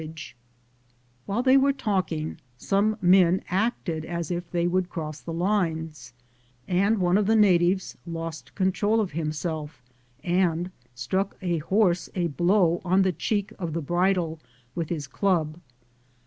am Google THE JOURNEY OP CORONADO While they were talking, some men acted as if they would cross the lines, and one of the natives lost control of himself and struck a horse a blow on the cheek of the bridle with his club.